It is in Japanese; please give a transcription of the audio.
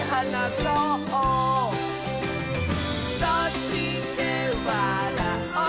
「そしてわらおう！